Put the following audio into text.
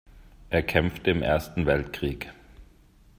Er kämpfte im Ersten Weltkrieg.